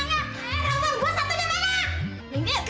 eh aku mah udah ngambil